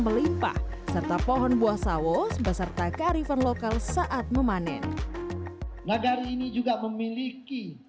melimpah serta pohon buah sawo beserta kearifan lokal saat memanen ngadari ini juga memiliki